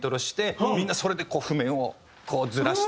みんなそれで譜面をこうずらして。